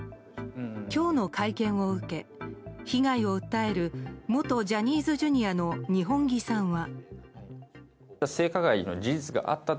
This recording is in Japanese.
今日の会見を受け、被害を訴える元ジャニーズＪｒ．の二本樹さんは。